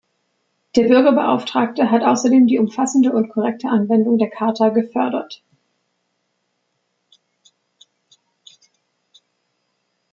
Der Bürgerbeauftragte hat außerdem die umfassende und korrekte Anwendung der Charta gefördert.